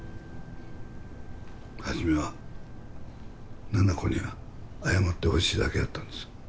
初めは七菜子に謝ってほしいだけやったんです。